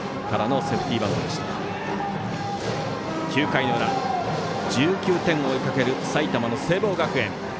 ９回の裏、１９点を追いかける埼玉の聖望学園。